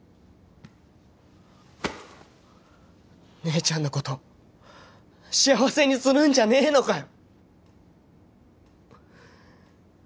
姉ちゃんのこと幸せにするんじゃねえのかよ